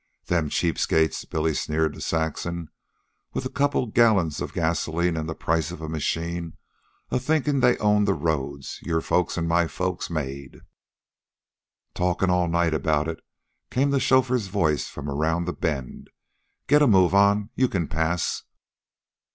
"Them cheap skates," Billy sneered to Saxon, "with a couple of gallons of gasoline an' the price of a machine a thinkin' they own the roads your folks an' my folks made." "Talkin' all night about it?" came the chauffeur's voice from around the bend. "Get a move on. You can pass."